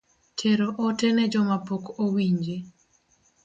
Tero ote ne jomapok owinje